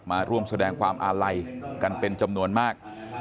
มาร่วมแสดงความอาลัยกันเป็นจำนวนมาก